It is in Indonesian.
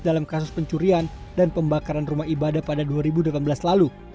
dalam kasus pencurian dan pembakaran rumah ibadah pada dua ribu delapan belas lalu